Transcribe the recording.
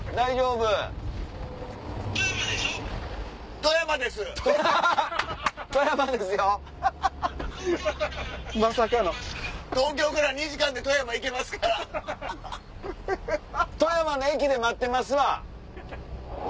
富山の駅で待ってますわ。